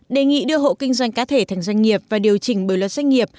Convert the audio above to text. đề nghị đưa hộ kinh doanh cá thể thành doanh nghiệp và điều chỉnh bởi luật doanh nghiệp